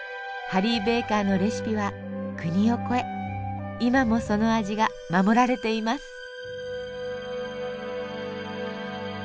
ハリー・ベーカーのレシピは国を越え今もその味が守られています。